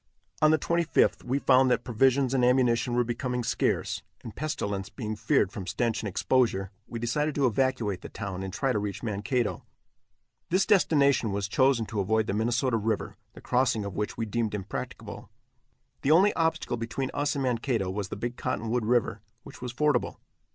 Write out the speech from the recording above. On the 25th we found that provisions and ammunition were becoming scarce, and pestilence being feared from stench and exposure, we decided to evacuate the town and try to reach Mankato. This destination was chosen to avoid the Minnesota river, the crossing of which we deemed impracticable. The only obstacle between us and Mankato was the Big Cottonwood river, which was fordable.